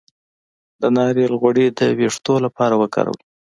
د ناریل غوړي د ویښتو لپاره وکاروئ